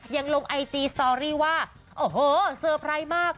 ยังลงไอจีสตอรี่ว่าโอ้โหเซอร์ไพรส์มาก